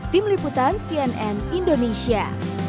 tim liputan cnn indonesia